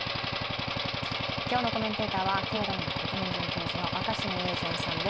今日のコメンテーターは慶応大学特任准教授の若新雄純さんです。